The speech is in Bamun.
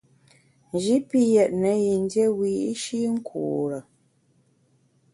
Nji pi yètne yin dié wiyi’shi nkure.